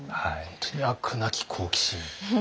本当に飽くなき好奇心。